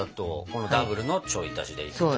このダブルのちょい足しで。